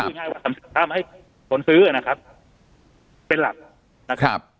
เพื่อทำสินค้ามาให้คนซื้อนะครับเป็นหลักนะครับ